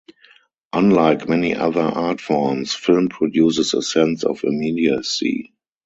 Unlike many other art forms, film produces a sense of immediacy.